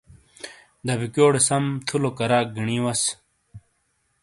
دبیکو ڑے سَم تھُولو کَراق گِینی وَس۔